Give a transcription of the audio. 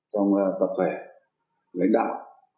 trong tập vệ lãnh đạo